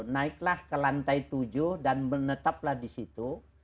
naiklah ke lantai tujuh dan menetaplah di situ